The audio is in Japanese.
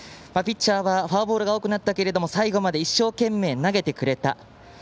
ピッチャーはフォアボールが多くなったけれども最後まで一生懸命投げてくれた。